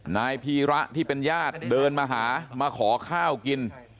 นายพีระที่เป็นญาติเดินมาหามาขอข้าวกิน